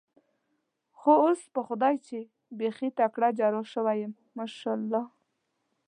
خو اوس په خدای چې بېخي تکړه جراح شوی یم، ماشاءالله.